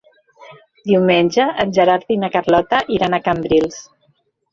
Diumenge en Gerard i na Carlota iran a Cambrils.